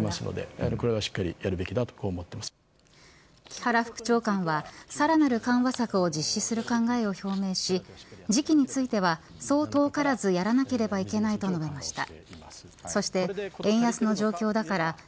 木原副長官はさらなる緩和策を実施する考えを表明し時期については、そう遠からずやらなければいけないと述べました。